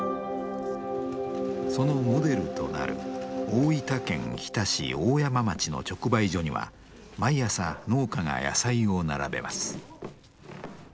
そのモデルとなる大分県日田市大山町の直売所には毎朝農家が野菜を並べます。